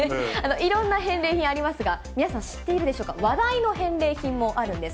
いろんな返礼品ありますが、皆さん、知っているでしょうか、話題の返礼品もあるんです。